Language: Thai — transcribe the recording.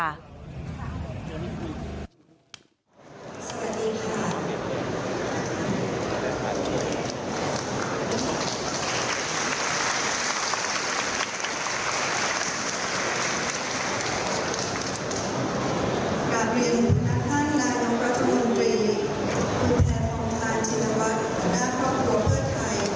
ทางรัฐมนตรีคุณแพงฟองฆาลจินวัลนะครับโรยเพอร์ไทย